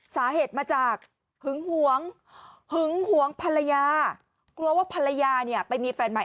สาเหตุมาจากหึงหวงหึงหวงภรรยากลัวว่าภรรยาเนี่ยไปมีแฟนใหม่